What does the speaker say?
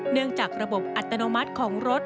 เนื่องจากระบบอัตโนมัติของรถ